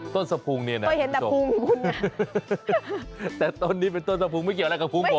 ต้นสะพุงเนี่ยนะตัวนี้เป็นต้นสะพุงไม่เกี่ยวอะไรกับพุงผม